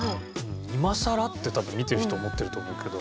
今さら？って多分見てる人思ってると思うけど。